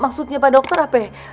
maksudnya pak dokter apa